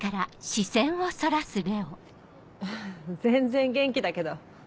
全然元気だけど。